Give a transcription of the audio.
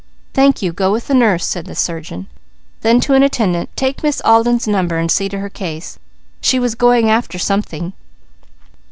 "Thank you! Go with the nurse," said the surgeon. Then to an attendant: "Take Miss Alden's number, and see to her case. She was going after something."